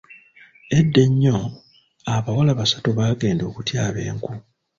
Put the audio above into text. Edda ennyo, abawala basatu baagenda okutyaba enku.